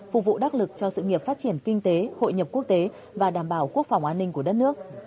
phục vụ đắc lực cho sự nghiệp phát triển kinh tế hội nhập quốc tế và đảm bảo quốc phòng an ninh của đất nước